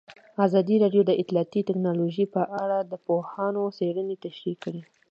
ازادي راډیو د اطلاعاتی تکنالوژي په اړه د پوهانو څېړنې تشریح کړې.